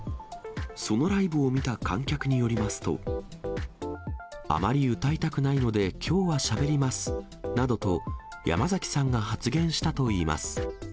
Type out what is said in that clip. そのライブを見た観客によりますと、あまり歌いたくないのできょうはしゃべりますなどと、山崎さんが発言したといいます。